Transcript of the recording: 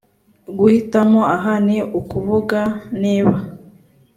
guhitamo aha ni ukuvuga niba